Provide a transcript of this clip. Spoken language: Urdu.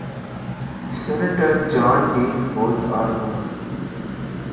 سینیٹر جان ڈین فورتھ آر مو